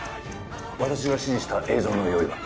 私が指示した映像の用意は？